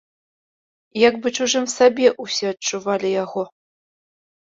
Як бы чужым сабе ўсе адчувалі яго.